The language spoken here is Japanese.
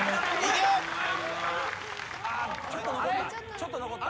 ちょっと残った。